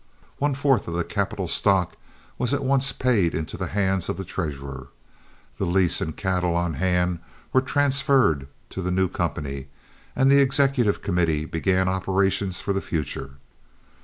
One fourth of the capital stock was at once paid into the hands of the treasurer, the lease and cattle on hand were transferred to the new company, and the executive committee began operations for the future.